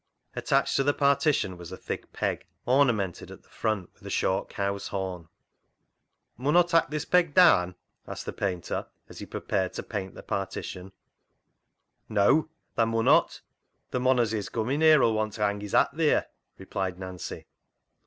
Attached to the partition was a thick peg, ornamented at the front with a short cow's horn. " Mun Aw tak' this peg daan ?" asked the painter as he prepared to paint the parti tion. " Neaw, tha munnot. Th' mon as is comin' here 'ull want ta hang his hat theer," replied Nancy.